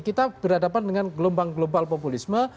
kita berhadapan dengan gelombang global populisme